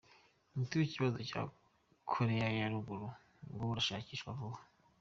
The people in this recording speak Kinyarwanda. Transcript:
Umuti w'ikibazo cya Korea ya ruguru ngo urashakishwa vuba.